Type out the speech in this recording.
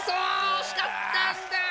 惜しかったんだ。